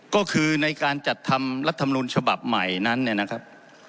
ก็คือในการจัดทำรัฐมนุนฉบับใหม่นั้นเนี่ยนะครับ